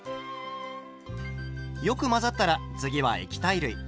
よく混ざったら次は液体類。